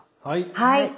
はい。